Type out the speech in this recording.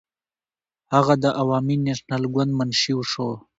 هغه د عوامي نېشنل ګوند منشي شو.